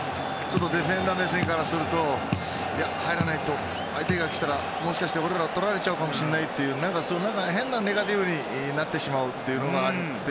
ディフェンダー目線からすると入らないと、相手が来たらもしかして俺ら取られちゃうかもしれないという変にネガティブになってしまうところがあって。